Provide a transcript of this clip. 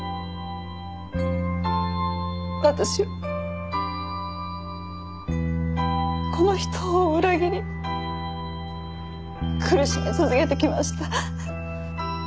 私はこの人を裏切り苦しめ続けてきました。